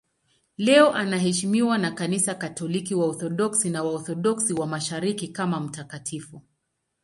Leo anaheshimiwa na Kanisa Katoliki, Waorthodoksi na Waorthodoksi wa Mashariki kama mtakatifu.